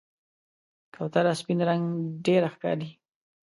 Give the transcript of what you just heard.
کوتره سپین رنګ ډېره ښکاري.